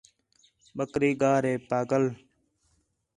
بکری گار ہے پاڳل